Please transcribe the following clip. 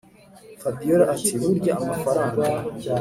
fabiora ati”burya amafaranga